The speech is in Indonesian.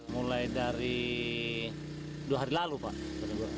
mulai dari dua hari lalu pak